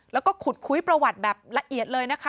แล้วก็ขุดคุยประวัติแบบละเอียดเลยนะคะ